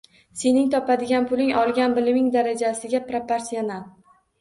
Sening topadigan puling olgan biliming darajasiga proporsional